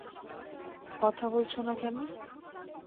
কথা বলছ না কেন?